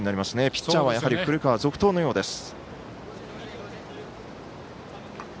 ピッチャーはやはり、古川続投のようです。